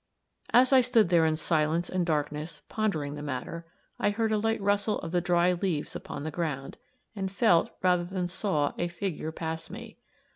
As I stood there in silence and darkness, pondering the matter, I heard a light rustle of the dry leaves upon the ground, and felt, rather than saw, a figure pass me.